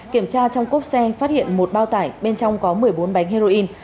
kiểm tra trong cốp xe phát hiện một bao tải bên trong có một mươi bốn bánh heroin